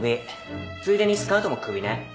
ついでにスカウトも首ね